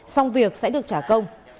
xong việc sẽ được trả công